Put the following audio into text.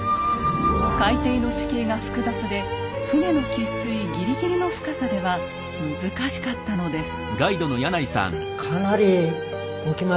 海底の地形が複雑で船の喫水ぎりぎりの深さでは難しかったのです。